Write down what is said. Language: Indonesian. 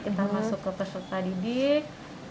kita masuk ke peserta didik